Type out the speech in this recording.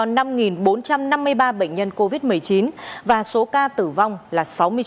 nước ta cũng đã điều trị khỏi bốn bốn trăm năm mươi ba bệnh nhân covid một mươi chín và số ca tử vong là sáu mươi chín